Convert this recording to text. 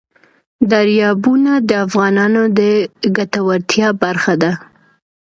دریابونه د افغانانو د ګټورتیا برخه ده.